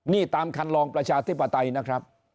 นี่ตามคันลองประชาธิปไตยนะครับ